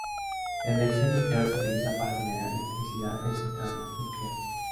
La energía nuclear se utiliza para generar electricidad en centrales nucleares.